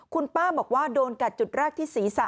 คุณป้าบอกว่าโดนกัดจุดแรกที่ศีรษะ